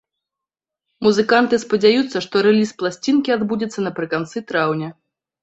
Музыканты спадзяюцца, што рэліз пласцінкі адбудзецца напрыканцы траўня.